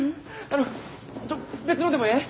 あのちょ別のでもええ？